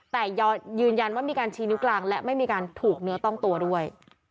แต่ยืนยันว่ามีการชี้นิ้วกลางและไม่มีการถูกเนื้อต้องตัวด้วย